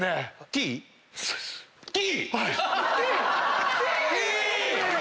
ＴＴ！」